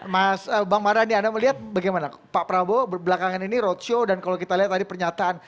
mas bang mardhani anda melihat bagaimana pak prabowo belakangan ini roadshow dan kalau kita lihat tadi pernyataan